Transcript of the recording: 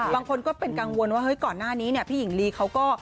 บางคนก็เป็นกังวลว่าก่อนหน้านี้พี่หญิงลีเขาก็